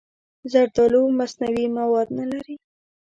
زردالو مصنوعي مواد نه لري.